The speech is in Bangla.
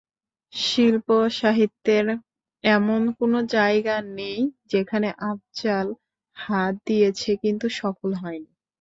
শিল্প-সাহিত্যের এমন কোনো জায়গা নেই, যেখানে আফজাল হাত দিয়েছে কিন্তু সফল হয়নি।